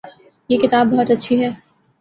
یہ کتاب بہت اچھی ہے